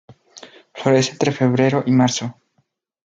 Florece entre febrero y marzo.